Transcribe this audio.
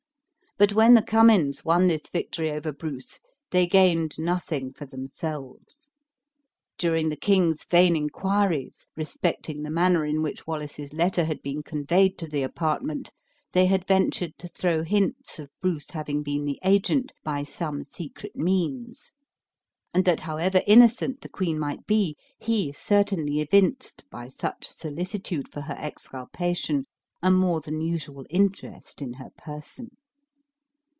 But when the Cummins won this victory over Bruce, they gained nothing for themselves. During the king's vain inquiries respecting the manner in which Wallace's letter had been conveyed to the apartment, they had ventured to throw hints of Bruce having been the agent, by some secret means, and that however innocent the queen might be, he certainly evinced, by such solicitude for her exculpation, a more than usual interest in her person.